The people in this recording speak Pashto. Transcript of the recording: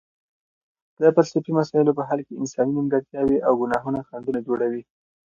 د فلسفي مسایلو په حل کې انساني نیمګړتیاوې او ګناهونه خنډونه جوړوي.